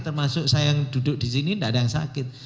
termasuk saya yang duduk di sini tidak ada yang sakit